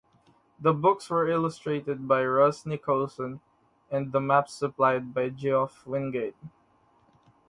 The books were illustrated by Russ Nicholson and the maps supplied by Geoff Wingate.